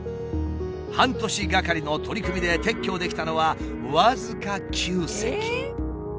半年がかりの取り組みで撤去できたのは僅か９隻。